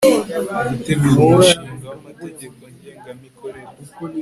gutegura umushinga w amategeko ngengamikorere